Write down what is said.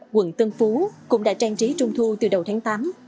quận tân phú cũng đã trang trí trung thu từ đầu tháng tám